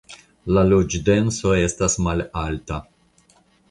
La loĝdenso estas malalta.